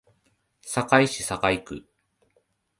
堺市堺区